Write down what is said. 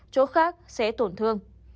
chỗ khác sẽ tổn thương